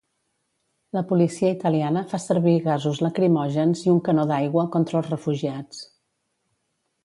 La policia italiana fa servir gasos lacrimògens i un canó d'aigua contra els refugiats.